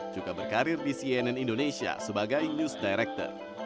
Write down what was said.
juga berkarir di cnn indonesia sebagai news director